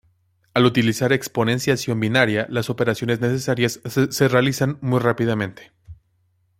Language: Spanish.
Al utilizar exponenciación binaria las operaciones necesarias se realizan muy rápidamente.